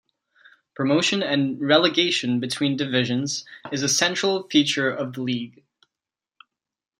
Promotion and relegation between divisions is a central feature of the league.